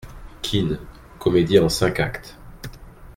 =Kean.= Comédie en cinq actes.